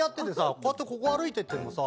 こうやってここ歩いててもさ。